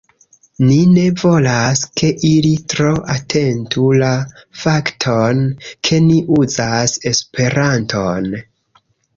Ni ne volas, ke ili tro atentu la fakton, ke ni uzas Esperanton